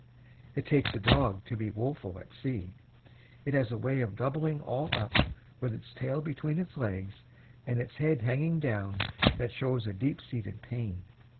It takes a dog to be woeful at sea. It has a way of doubling all up, with its tail between its legs and its head hanging down that shows a deep seated pain.